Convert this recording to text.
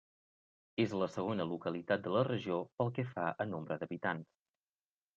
És la segona localitat de la regió pel que fa a nombre d'habitants.